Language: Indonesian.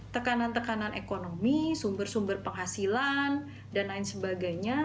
tekanan tekanan ekonomi sumber sumber penghasilan dan lain sebagainya